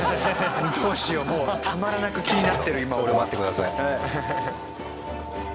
どうしようもうたまらなく気になってる今俺は。ちょっと待ってください。